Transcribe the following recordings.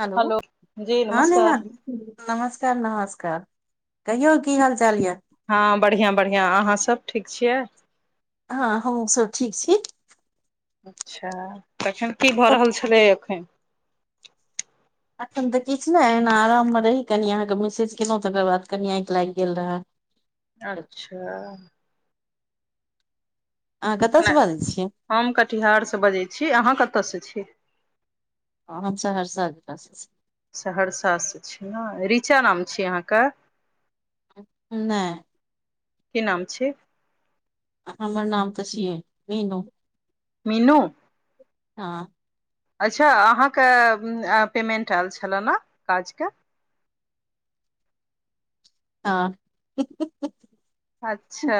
Hello जी [inaudible] हऽ नमस्कार नेहा नमस्कार नमस्कार कहियौ की हाल चाल यऽ हँ बढ़िआँ बढ़िआँ अहाँ सब ठीक छियै हँ हमहुँ सब ठीक छी [inaudible] अच्छा तखन की भऽ तऽ रहल छलै एखन एखन तऽ किछ नै एना आराम में रही कनि अहाँ केँ मैसेज केलौं तकर बाद कनी आँखि लाइग गेल रहै अच्छा अहाँ कतऽ एखने स बाजै छियै हम कटिहार स बजै छी अहाँ कतऽस छी हम सहरस जिल स छी सहरसा स छै नै रीचा नाम छी अहाँ कऽ नै की नाम छी हमर नाम तऽ छियै मीनू मीनू हऽ अच्छा अहाँ कऽ पेमेन्ट ऐल छलै न आज कऽ [unintelligible] अच्छा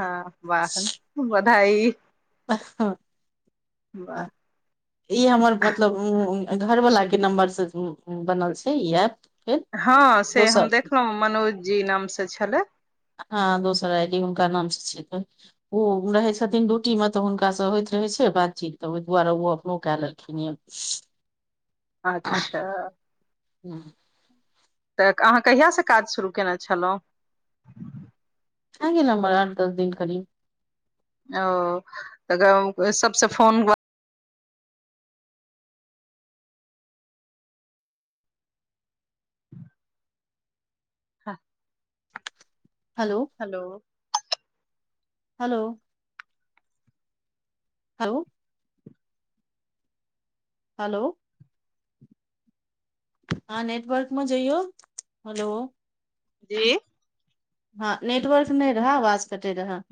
हँ बाह बधाई वाह [unintelligible] ई हमर मतलब घर वला केँ नम्बर स बनल छै ई एप हँ से हम देखलौं मनोज जी नाम स छलै हँ दोसर आईडी हुनका नाम स छै तऽ ओ रहै छथिन ड्यूटी में तऽ हुनका स होइत रहै छै बातचीत तऽ ओइ दुआरे ओ अपनो कै लेलखिन यऽ [unintelligible] अच्छा हूं तऽ अहाँ कहिया सँ काज शुरू कयने छलहुँ ह न बर आठ दस दिन कड़ी ओ त गाओ सबसे phone [unintelligible] hello hello hello hello hello हँ नेटवर्क मे जइौ हेलो इ हँ नेटवर्क नय रह व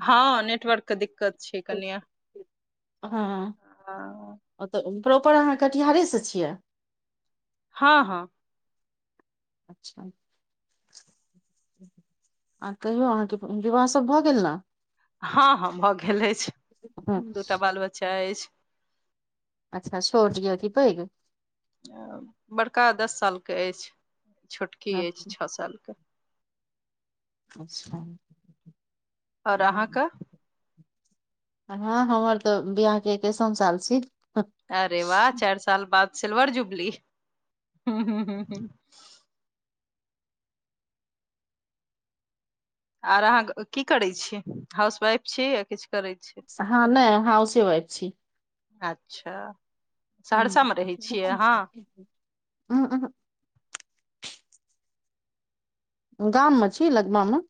हँ नेटवर्क के दिक्कत छै कनिये हँ [unintelligible] ओत प्रॉपर अहाँ कटिहारे सँ छियै हँ हँ अच्छा आ तहियो अहाँके विवाह सब भऽ गेल न हँ हँ भऽ गेल अछि हँ, दूटा बाल बच्चा अछि अच्छा छोड़ दिय की पइग बड़का दस साल के अछि छोटकी अछि छ सालके अच्छा ओर अहाँ क हँ हमर तऽ वियाह के एकैसम साल छी अरे वाह चारि साल बाद सिल्वर जुबली आर अहाँ की करै छीय हाउस वाइफ छी य किछु करै छी ह नय हाउस वाइफ छी अच्छा उहूं सहरसा मे रहै छिय अहाँ [unintelligible] गाम मे छी लगमा मे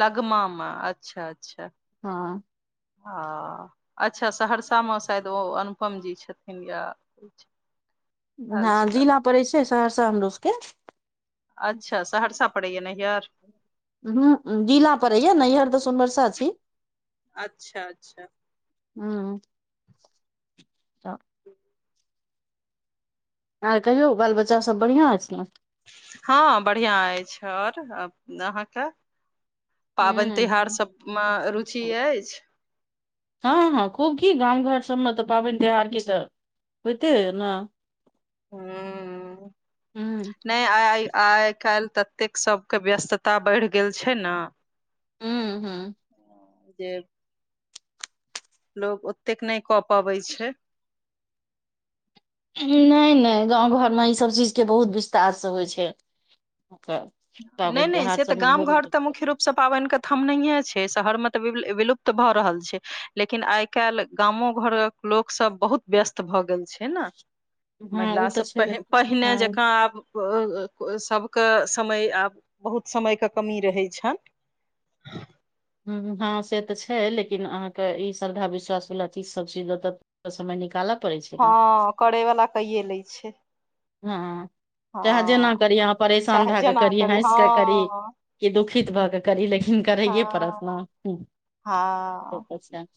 लगमा मेा अच्छा अच्छा हॉं ओ अच्छा सहरसा मे शायद ओ अनुपम जी छथिन या [unintelligible] ह आयल छल जिला पड़ै छैय सहरसा हमरो सभ के अच्छा सहरसा पड़ैय नहियर ह जिला पड़े या नहियर तऽ सहरसा छि अच्छा अच्छा हँ आर कहियौ बाल बच्चा सब बढ़िआँ अछि न ह बढ़िआँ अछि आ ओर अहाँके पाबन तिहार हूं सभमे रुचि अछि हँ हँ खूब की गाम घर सबमे तऽ पाबनि त्योहारके तऽ होइतै अय न हुँ नय आ आइ काल्हि ततेक सबके व्यस्तता बढ़ि गेल छै न हुँ हुँ जे लोग ओतेक नय कऽ पबै छै नय नय गाँव घरमे इसभ चीजके बहुत विस्तारसँ होइ छै। पाबनि नय नय त्योहार से तऽ सबमे गाम घर तऽ बहुत मुख्य रूप सब पाबनि के थमनहियें छै शहर मे तऽ विलुप्त भऽ रहल छै लेकिन आइ आइ काल्हि गामो घरक लोक सब बहुत व्यस्त भऽ गेल छै न। हँ ओ महिला तऽ सभ छेबे पहि पहिने हँ जकाँ आब सभके समय आब बहुत समयके कमी रहै छनि हुँ हुँ हँ से तऽ छै लेकिन अहाँके ई श्रद्धा विश्वास वला चीज सब चीज जतऽ समय निकालब हँ करै वला कैये लै छै हँ चाहे जेना हँ करी अहाँ परेशान चाहे भए कऽ जेना करी हँसि कऽ करी हँ की दुखित भऽ कऽ करी लेकिन करैए परत हँ ना हँ अहाँक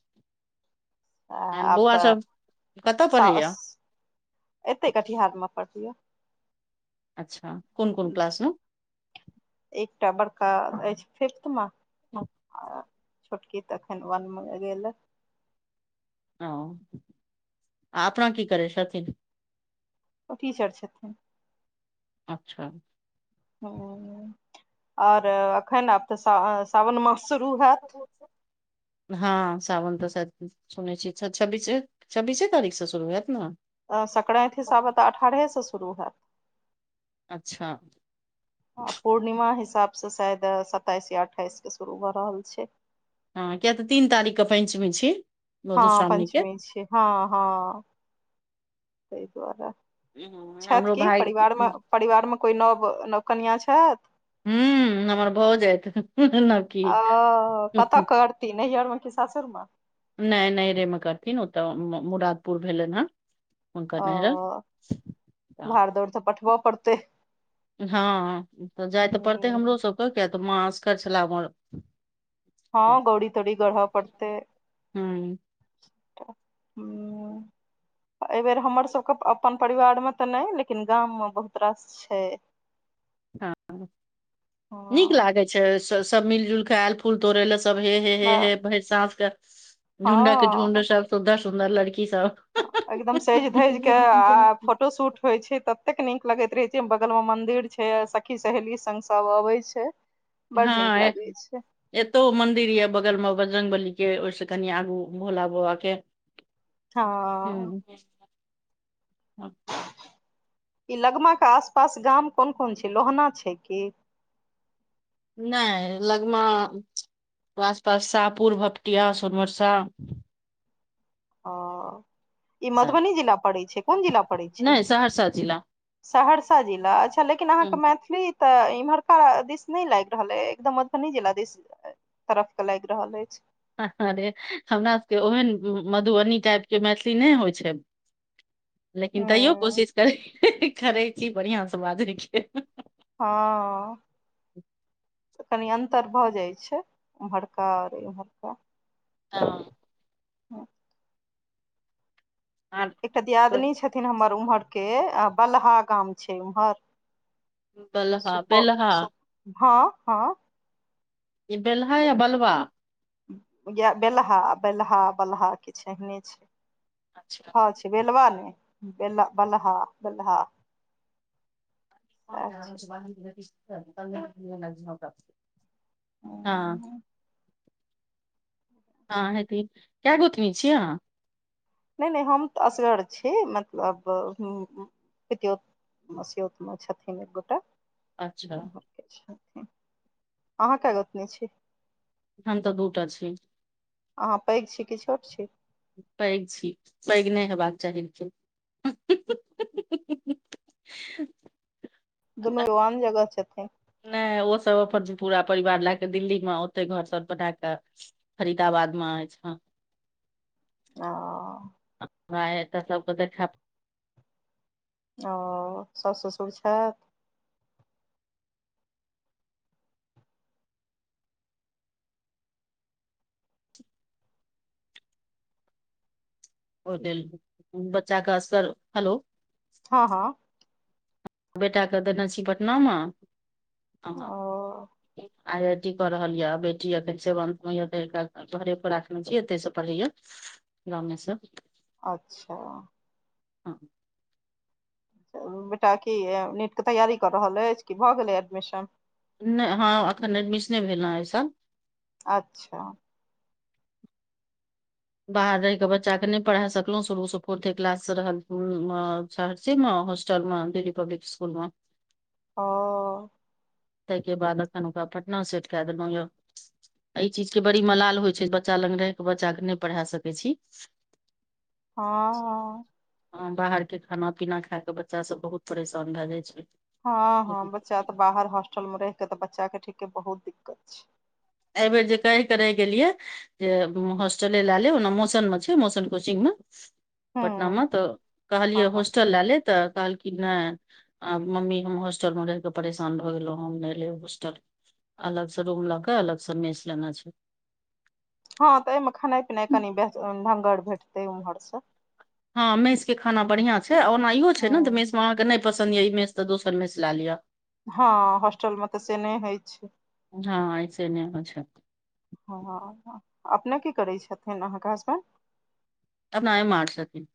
आब बौआ तऽ सब कतऽ पढैया एतै कटिहारमे पढैय अच्छा कोन कोन क्लासमे एकटा बड़का अछि फिफ्थ मे छोटकी तऽ अखन वन मे गेल ये ओ आ अपना कि करै छथिन ओ टीचर छथिन अच्छा आओर अखन आब तऽ अच्छा सावन मास शुरू हैत [inaudible] हँ सावन तऽ सायद सुनै छियै छब्बीस छब्बीसे तारीख से शुरू हैत न आ संक्रांति हिसाबे तऽ अठारहेसँ शुरू हैत अच्छा आ पूर्णिमा हिसाबसँ शायद सत्ताइस या अट्ठाइसके शुरू भऽ रहल छै। हँ किये तऽ तीन तारीखके पंचमी छी हँ मधुश्रावणी के पंचमी छी हँ हँ तइ दुआरे हम्म, छथि हमरो कि भाय परिवारमे हूँ परिवारमे कोइ नव नव कनियाँ छथि हुँ हमर भाउज अछि नव ओ कतऽ करती नैहर मे की सासुर मे नय नहिरे मे करथिन ओतऽ मुरादपुर भेलनि हन ओ तऽ भाड़ दौड़ तऽ पठबऽ पड़तै हँ तऽ जाय तऽ पड़तै हमरो ह सबके किया तऽ माँ असगर छला हमर हँ गौरी तौड़ी गढ़ तऽ पड़तै हूँ हुँ हुँ एहि बेेर हमर सबके अपन परिवार मे तऽ नय लेकिन गाम मे बहुत रास छै हँ नीक हँ लागे छै स सब मिल जुलके आयल फूल तोड़ै ले सब हे हे हे हे भरि साँस के झुण्डक के हँ झुंड सब सुन्दर सुन्दर लड़की सब एकदम सैज धैज केँ आ फोटो शूट होय छै ततेक नीक लगैत रहे छै बगल में मंदिर छै सखी सहेली संग सब अबे छै [inaudible] हँ ए लागै छै [inaudible] एतौ मंन्दिर यऽ बगल म बजरंगबली केँ ओइस कनि आगू भोला बाबा केँ [inaudible] हँ हु ई लगमा कऽ आस पास गाम कोन कोन छै लोहना छै की नै लगमा [inaudible] आसपास साहपुर भपटिया सोनवर्षा अ ई सब। मधुबनी जिला पड़ै छै कोन जिला पड़ै छै [inaudible] नहि सहरसा जिला सहरसा जिला अच्छा लेकिन अहाँकेँ हम्म, मैथिली तऽ इम्हरका दिस नै लाइग रहल ए एकदम मधुबनी जिला दिस तरफ कऽ लाइग रहल ऐछ [unintelligible] रे हमरा सभ केँ ओहन मधुबनी टाइप केँ मैथिली नै होइ छै [inaudible] लेकिन तैयो हूँ कोशिश करै [unintelligible] करै छी बड़ियाँ स बाजैय केँ हँ तऽ कनि अन्तर भऽ जय छै ओम्हरका और इम्हरका [unintelligible] [unintelligible] [unintelligible] एकटा दियादनी छथिन हमर उम्हर केँ अ बलहा गाम छै उम्हर बलहा सुपौल बेलहा सु हऽ हऽ ई बेलहा या बलबा गै बेलहा बेलहा बलहा किछ एहने छै अच्छा ह छै बेलवा नै बेल बलहा बलहा सैह [unintelligible] [unintelligible] छै हँ हेती केँ गोतनी छियै अहाँ नै नै हम तऽ असगर छी मतलब पितियोत मसियोत में छथिन एकगोटा अच्छा ओम्हरकेँ छथिन [inaudible] अहाँ केँ गोतनी छी हम तऽ दूटा छी अहाँ पैघ छी कि छोट छी पैघ छी पैघ नै हेबाक चाही लेकिन [unintelligible] दुनू ओ आन जगह छथिन नै ओ सब अपन पूरा परिवार लै कऽ दिल्ली में ओते घर सर पटै कऽ फरीदाबादा में ऐछ अ [unintelligible] हँ तऽ सब [unintelligible] ओ साउस ससुर छैथ ओ दिल बच्चा कऽ असर हेलो हऽ हऽ बेटा कऽ देने छी पटना म [unintelligible] ओ आई आई टी कऽ रहल यऽ बेटी य सेवंथ में यऽ तोहरे [unintelligible] भर रखने छै य तैस पढ़ैय गामे सऽ अच्छा हँ बेटा की नेट के तैयारी कऽ रहल अछि कि भऽ गेलै एडमिशन नै हँ एखन एडमिशने भेल हँ एहि साल अच्छा बाहर रैह केऽ बच्चाके नै पढ़ा सकलौ शुरूसँ फोर्थे क्लाससँ रहल [unintelligible] सारस म होस्टलमे दिल्ली पब्लिक स्कुल मे ओ ताहि के बाद एखन ओकरा पटना सेट के देलहु य एहि चीज के बड़ी मलाल होइ छै बच्चा लग रहि के बच्चा के नै पढ़ा सकै छी हँहॅं ह बाहरके खाना पीना खा क बच्चा सब बहुत परेशान भे जाइ छै हँ हँ बच्चा ते बाहर हॉस्टल मे रैह के तऽ बच्चा के ठीक के बहुत दिक्कत छै एहि बेेर जे कहिके रैह गेलियै जे होॉस्टले ल लेब ओना मौसन मे छै मसन कोचिंग मे हूँ पटनामे तऽ हँ कहलियै हँ होस्टल लए ले तऽ कहलखिन नै आ मम्मी हम हॉस्टल मे रहिके परेशान भऽ गेलहु हम नै लेब हॉस्टल अलग से रूम लकक्षअलगसँ मेस जेना छै हँ तऽ एहिमे खेनाइ पिनाइ कनि ढंगर भेटतै उम्हर स हँ मेस के खाना बढ़ियां छै ओना इ हो छै ने मेस मे अहाँके नै पसन्द य ई मेस त दोसर मेस ला लिया हँ हॉस्टल मे तऽ से नै होइ छै हँ ऐसे नहि होइ छै हँ अपने की करै छथिन अहाँके हसबैंड अपना एम आर छथिन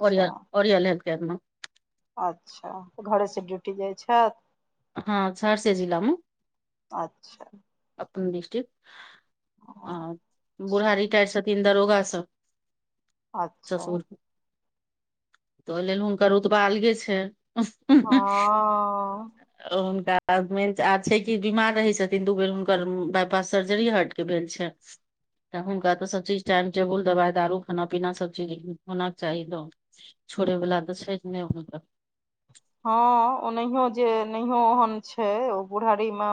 ओर ओरियल ओरिल हेल्थ केयर मे अच्छाऽ घरेसँ ड्यूटी जाइ छैथ हँ सहरसे जिलामे अच्छा अपन डिस्ट्रिक्ट आ बूड़ा अच्छा रिटायर्ड छथिन दरोगासँ अच्छा ससुर तऽ ओहि लेल हुनकर उतब अलगे छैन [inaudible] हँ हुनका आ छै कि बीमार रहै छथिन दू बेर हुनकर बााय पास सर्जरी हट के भेल छैन तऽ हुनका तऽ सब चीज टाइम टेबुल दवाइ दारू खाना पीना सब चीज होना चाही द छोड़ै वला तऽ छै नै हुनकर हँ ओनयो जे नहियो ओहेन छै ओ बुढ़ारी मे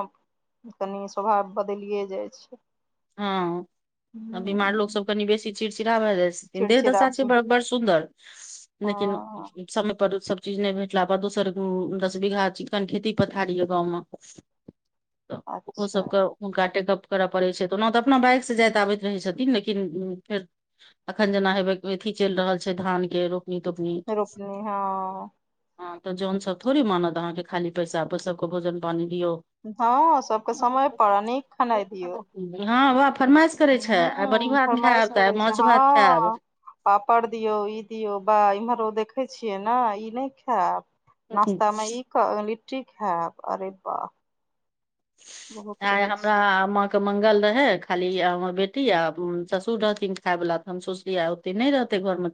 तनि स्वभाव बदैलिये जाइ छै हँ आ बीमार लोग हूँ सब कनी बेसी चिड़चिड़ा भए जाय देह चिड़चिड़ा दशा छै बड़ बड़ सुन्दर लेकिन हँ समय पर सब चीज नै भेटला बा दोसर दस बीघा कन खेती पथारी यऽ गांव मे [inaudible] तऽ ओहो अच्छा सबके हुनका टेकअप करऽ पड़ै छै ऽ ओना तऽ अपना बाइकसँ जाइत आबैत रहै छथिन लेकिन फेर अखन जेना हेबे अथी चैल रहल छै धान के रोपनी तोपनी रोपनी हँ हँ तऽ जौन सब थोड़ी मानत अहाँके खाली पैसा प सब के भोजन पानी दियौ हँ सबके समय पड़ आ नीक खेनाइ दियौ हँ बाबाह फरमाइश करै छै आइ बड़ी हूँ भात फरमाइश खेएब तऽ करै आइ छै माछ भात खेएब हँ पापड़ दियौ ई दियौ बा इम्हरो देखै छियै ने ई नय खैब नास्तामे ई क लिट्टी खैब अरे बाप रे आय हमरा आ माँ के के मंगल रहै खाली हमर बेटी आ ससुर रहथिन खाय बला तऽ हम सोचली आ ओते नय रहतै घरमे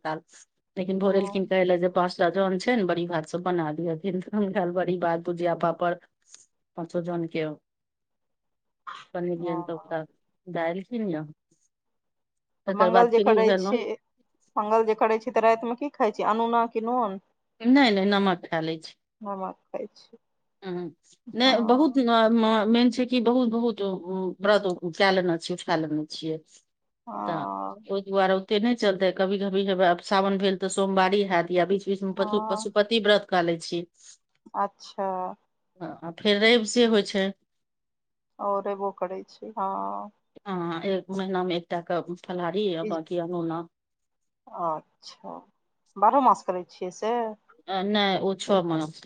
लेकिन भोरे एलखिन हँ कहैले जे जौन छै ने बड़ी भात सब बना दियथि भेल बड़ी भात भुझिया पापड़ पाँचो जन के बनेलियै हन तऽ ओकरा दालि कीनिय तऽ मङ्गल जे करै भेलहुँ छियै मङ्गल जे करै छी तऽ रातिमे की खाइ छियै अनोना कि नोन नय नय नमक खे लै छी नमक खाइ छी हँ हँ नय बहुत हँ नार्मा मेन छै की की बहुत बहुत व्रत कैलेन छियै खे लेने छियै हँ तऽ ओहि दुआरे ओते नय चलतेै कभी कभी सावन भेल तऽ सोमवारी हैत या बिच स पश हँ पशुपति व्रत कै ले छी अच्छा हँ आ फेर रवि से होइ छै ओ रैबो करै छी हँ हँ एक महिना मे एकटा के फलहारी आ ई बाँकी अनोना अच्छा बारहो मास करै छियै से नय ओ छौ मास